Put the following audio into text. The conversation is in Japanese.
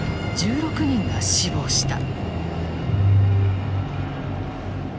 １６人が死亡した。